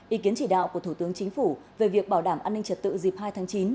ý kiến chỉ đạo của thủ tướng chính phủ về việc bảo đảm an ninh trật tự dịp hai tháng chín